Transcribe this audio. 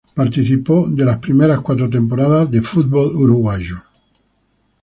Participó de las primeras cuatro temporadas del fútbol uruguayo.